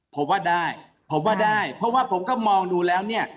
ผมว่าได้ผมว่าได้เพราะว่าผมก็มองดูแล้วเนี่ย